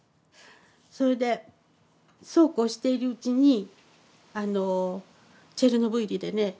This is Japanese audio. それでそうこうしているうちにチェルノブイリでね